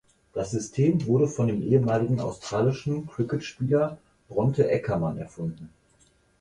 Das System wurde von dem ehemaligen australischen Cricketspieler Bronte Eckermann erfunden.